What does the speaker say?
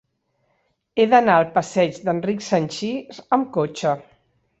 He d'anar al passeig d'Enric Sanchis amb cotxe.